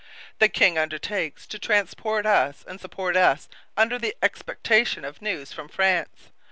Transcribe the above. The King undertakes to transport us and support us under the expectation of news from France.